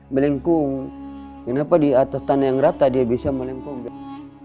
melengkung kenapa di atas tanah yang rata dia bisa melengkung